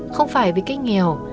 không phải vì cách nghèo